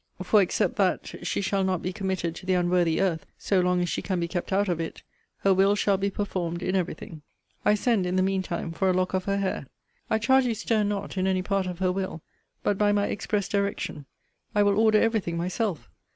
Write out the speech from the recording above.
For, except that, she shall not be committed to the unworthy earth so long as she can be kept out of it, her will shall be performed in every thing. I send in the mean time for a lock of her hair. I charge you stir not in any part of her will but by my express direction. I will order every thing myself.